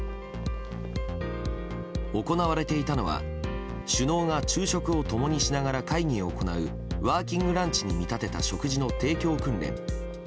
行われていたのは首脳が昼食を共にしながら会議を行うワーキングランチに見立てた食事の提供訓練。